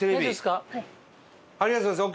ありがとうございます。